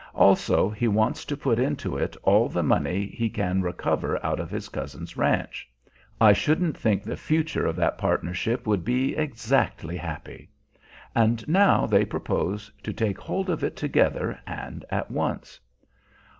Also he wants to put into it all the money he can recover out of his cousin's ranch. (I shouldn't think the future of that partnership would be exactly happy!) And now they propose to take hold of it together, and at once.